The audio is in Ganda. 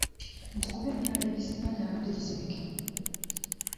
Nti kuba emyala egisinga gyabadde gizibikidde.